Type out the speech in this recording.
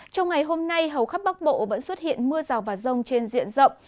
trong ngày hôm nay hầu khắp bắc bộ vẫn xuất hiện mưa rào và rông trên diện rộng